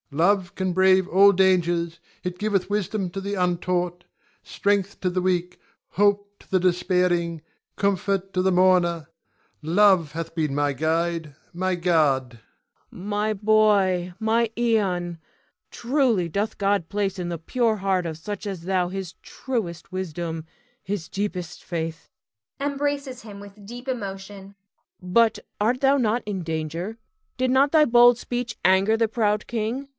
Ion. Love can brave all dangers. It giveth wisdom to the untaught, strength to the weak, hope to the despairing, comfort to the mourner. Love hath been my guide, my guard. Cleon. My boy! my Ion! Truly doth God place in the pure heart of such as thou his truest wisdom, his deepest faith [embraces him with deep emotion]. But art not thou in danger? Did not thy bold speech anger the proud king?